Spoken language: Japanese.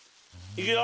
いくよ。